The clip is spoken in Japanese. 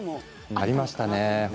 ありましたね。